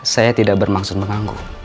saya tidak bermaksud menganggu